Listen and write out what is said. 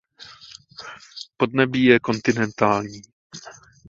Podnebí je kontinentální.